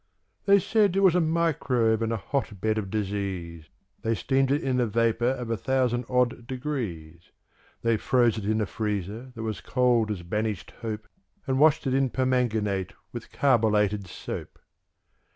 They said it was a Microbe and a Hotbed of Disease; They steamed it in a vapor of a thousand odd degrees; They froze it in a freezer that was cold as Banished Hope And washed it in permanganate with carbolated soap.